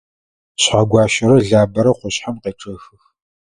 Шъхьэгуащэрэ Лабэрэ къушъхьэм къечъэхых.